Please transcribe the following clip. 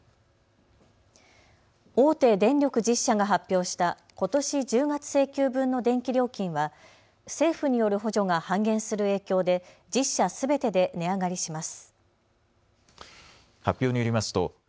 大手電力１０社が発表したことし１０月請求分の電気料金は政府による補助が半減する影響で１０社すべてで値上がりします。